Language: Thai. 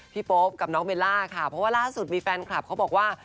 โป๊ปกับน้องเบลล่าค่ะเพราะว่าล่าสุดมีแฟนคลับเขาบอกว่า